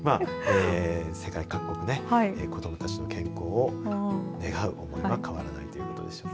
世界各国ね子どもたちの健康を願う思いは変わらないということでしょうね。